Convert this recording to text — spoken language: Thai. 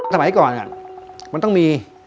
สมัยก่อนมันต้องมี